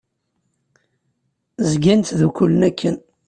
Zgan ttdukkulen akken.